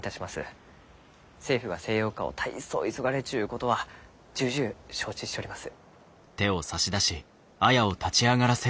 政府が西洋化を大層急がれちゅうことは重々承知しちょります。